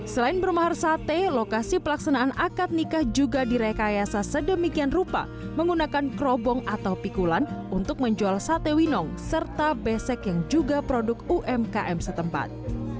selain bermahar sate lokasi pelaksanaan akad nikah juga direkayasa sedemikian rupa menggunakan kerobong atau pikulan untuk menjual sate winong serta besek yang juga produk umkm setempat